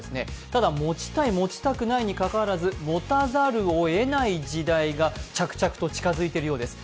ただ、持ちたい、持ちたくないにかかわらず持たざるをえない時代が着々と近づいているようです。